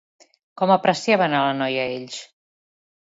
Com apreciaven a la noia ells?